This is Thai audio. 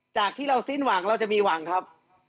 จากที่เราสิ้นหวังเราจะมีหวังครับ